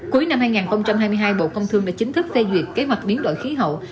cuối năm hai nghìn hai mươi hai bộ công thương đã chính thức phê duyệt kế hoạch biến đổi khí hậu